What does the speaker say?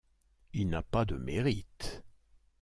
Il n'a pas de mérite.